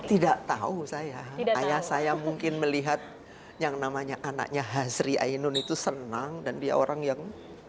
tidak tahu saya ayah saya mungkin melihat yang namanya anaknya hasri ainun itu senang dan dia orang yang